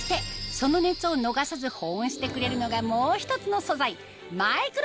その熱を逃さず保温してくれるのがもう一つの素材